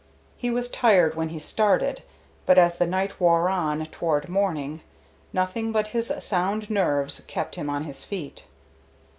He was tired when he started, but as the night wore on toward morning, nothing but his sound nerves kept him on his feet.